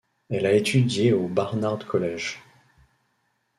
Elle a étudié au Barnard College.